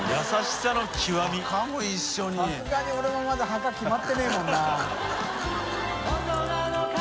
さすがに俺もまだ墓決まってないもんな。